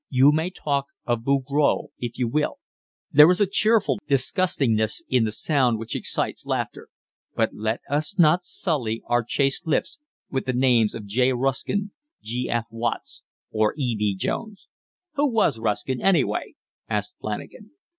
You may talk of Bouguereau if you will: there is a cheerful disgustingness in the sound which excites laughter; but let us not sully our chaste lips with the names of J. Ruskin, G. F. Watts, or E. B. Jones." "Who was Ruskin anyway?" asked Flanagan.